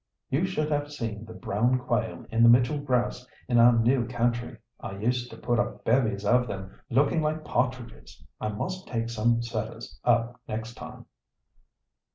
You should have seen the brown quail in the Mitchell grass in our new country. I used to put up bevies of them looking like partridges. I must take some setters up next time."